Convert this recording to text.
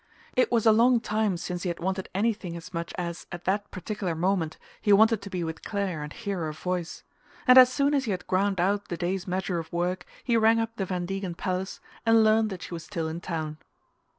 It was a long time since he had wanted anything as much as, at that particular moment, he wanted to be with Clare and hear her voice; and as soon as he had ground out the day's measure of work he rang up the Van Degen palace and learned that she was still in town.